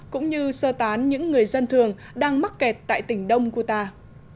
cũng như sơ tán những người dân thường đang mắc kẹt tại tỉnh đông guta